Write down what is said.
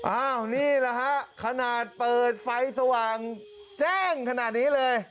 อ้าวนี่แหละฮะขนาดเปิดไฟสว่างแจ้งขนาดนี้เลย